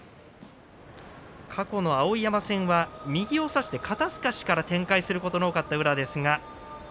過去の碧山戦は右を差して肩すかしから展開することの多かった宇良ですが。